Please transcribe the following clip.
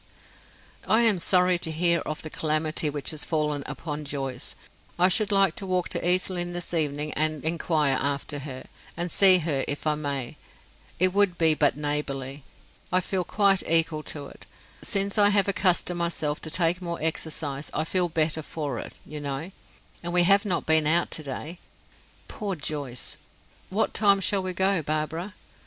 "I am sorry to hear of the calamity which has fallen upon Joyce! I should like to walk to East Lynne this evening and inquire after her, and see her, if I may; it would be but neighborly. I feel quite equal to it. Since I have accustomed myself to take more exercise I feel better for it, you know; and we have not been out to day. Poor Joyce! What time shall we go, Barbara?"